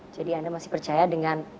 jadi anda masih percaya dengan